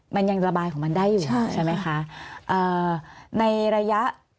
มันยังระบายของมันได้อยู่ใช่ไหมคะ